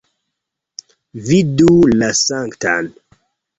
Vidu la Sanktan!